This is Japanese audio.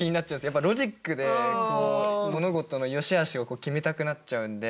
やっぱロジックで物事のよしあしを決めたくなっちゃうんで。